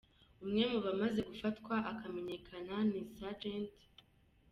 Umwe mu bamaze gufatwa akamenyekana ni Sgt.